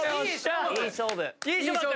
いい勝負。